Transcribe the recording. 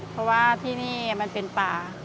เพราะว่าที่นี่มันเป็นป่า